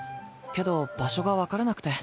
けど場所が分からなくて。